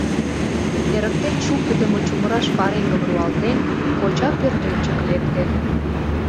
Эрыктен шуктыдымо чумыраш пареҥгым руалтен, коча пӧртӧнчык лекте.